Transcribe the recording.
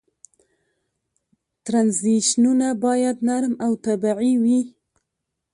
ترنزیشنونه باید نرم او طبیعي وي.